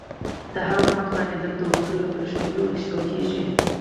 د هر حکومت ورانېدل د اصولو له پرېښودلو پیل کېږي.